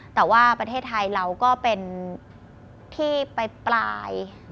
แต่ว่าประเทศไทยเราก็เป็นที่ไปปลาย